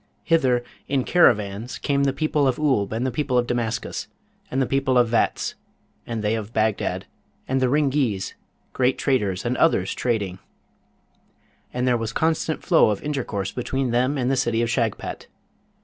Hither, in caravans, came the people of Oolb and the people of Damascus, and the people of Vatz, and they of Bagdad, and the Ringheez, great traders, and others, trading; and there was constant flow of intercourse between them and the city of Shagpat.